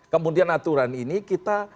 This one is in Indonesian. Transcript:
kemudian aturan ini kita